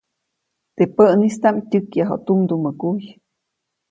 Teʼ päʼnistaʼm tyäkyaju tumdumä kuy.